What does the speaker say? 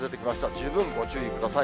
十分ご注意ください。